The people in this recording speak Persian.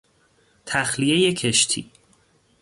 تخلیهی کشتی